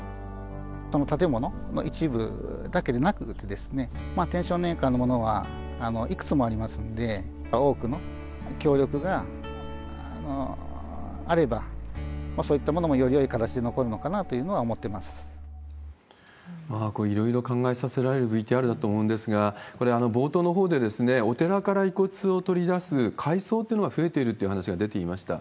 この建物、一部だけでなくて、天正年間のものはいくつもありますんで、多くの協力があれば、そういったものもよりよい形で残るのかなというふうには思ってまいろいろ考えさせられるＶＴＲだったと思うんですけれども、これ、冒頭のほうで、お寺から遺骨を取り出す改葬っていうのが増えているっていう話が出ていました。